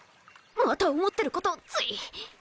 また思ってることをつい。